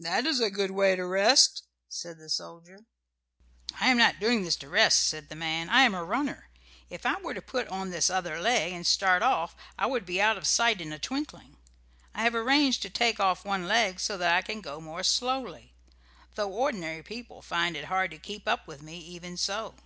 "That is a good way to rest," said the soldier. "I am not doing this to rest," said the man. "I am a runner. If I were to put on this other leg and start off I would be out of sight in a twinkling. I have arranged to take off one leg so that I can go more slowly; though ordinary people find it hard to keep up with me even so."